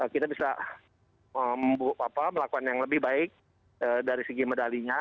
kita bisa melakukan yang lebih baik dari segi medalinya